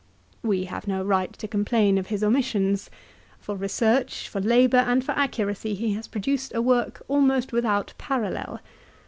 We have no right to complain of his omissions. For research, for labour, and for accuracy he has produced a work almost without paral lel.